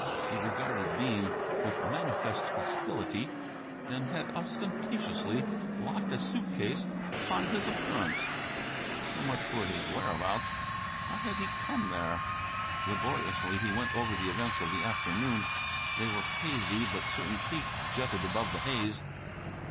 He regarded Bean with manifest hostility and had ostentatiously locked a suit case upon his appearance. So much for his whereabouts. How had he come there? Laboriously, he went over the events of the afternoon. They were hazy, but certain peaks jutted above the haze.